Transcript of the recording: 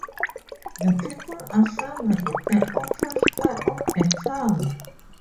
The people assemble in the open square of the town.